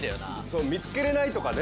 そう見つけれないとかね。